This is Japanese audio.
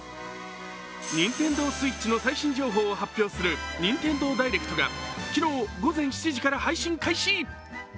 ＮｉｎｔｅｎｄｏＳｗｉｔｃｈの最新情報を発表する「ＮｉｎｔｅｎｄｏＤｉｒｅｃｔ」が昨日午前７時から配信開始。